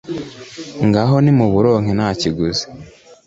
ngaho nimuburonke nta kiguzi,